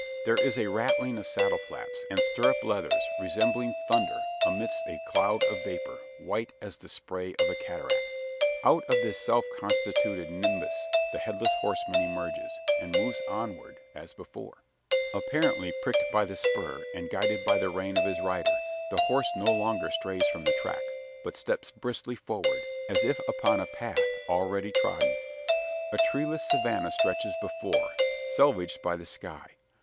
There is a rattling of saddle flaps, and stirrup leathers, resembling thunder, amidst a cloud of vapour, white as the spray of a cataract. Out of this self constituted nimbus, the Headless Horseman emerges; and moves onward, as before. Apparently pricked by the spur, and guided by the rein, of his rider, the horse no longer strays from the track; but steps briskly forward, as if upon a path already trodden. A treeless savannah stretches before selvedged by the sky.